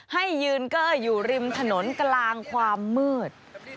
ให้ยืนเกอร์อยู่ริมถนนกลางความมืด